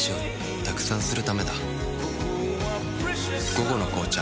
「午後の紅茶」